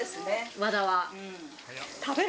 和田は。